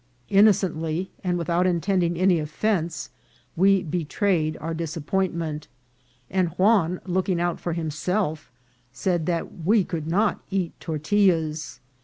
In nocently, and without intending any offence, we be trayed our disappointment ; and Juan, looking out for himself, said that we could not eat tortillas.